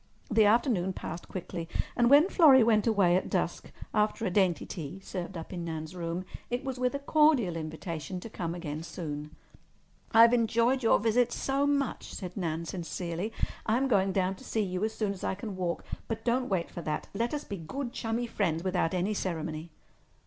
The afternoon passed quickly, and when Florrie went away at dusk, after a dainty tea served up in Nan's room, it was with a cordial invitation to come again soon. "I've enjoyed your visit so much," said Nan sincerely. "I'm going down to see you as soon as I can walk. But don't wait for that. Let us be good, chummy friends without any ceremony."